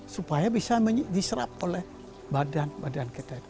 supaya bisa diserap oleh badan badan kita